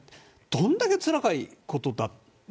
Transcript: どんだけつらいことだったか。